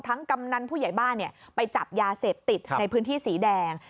กำนันผู้ใหญ่บ้านไปจับยาเสพติดในพื้นที่สีแดง